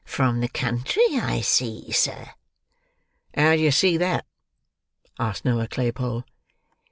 "From the country, I see, sir?" "How do yer see that?" asked Noah Claypole.